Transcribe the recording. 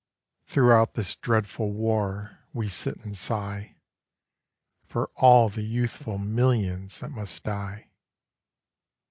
THROUGHOUT this dreadful war we sit and sigh, For all the youthful millions that must d^e.